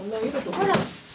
ほら。